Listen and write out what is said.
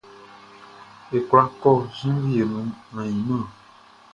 Ye kwla kɔ jenvie nuan ainman?